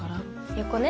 横ね。